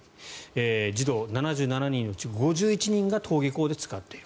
児童７７人のうち５１人が登下校で使っている。